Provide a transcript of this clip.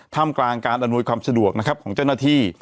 ทำกลางการอำนวยความสะดวกนะครับของเจ้าหน้าที่